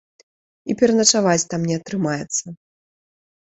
І пераначаваць там не атрымаецца.